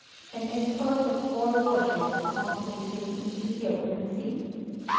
An escort of four warships accompanied him into the open sea.